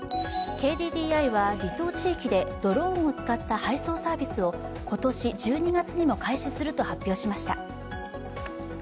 ＫＤＤＩは離島地域でドローンを使った配送サービスを今年１２月にも開始すると発表しました。